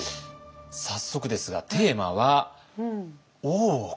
早速ですがテーマは「大奥」。